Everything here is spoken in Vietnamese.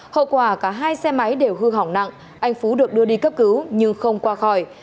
hậu quả cả hai xe máy đều hư hỏng nặng anh phú được đưa đi cấp cứu nhưng không qua khỏi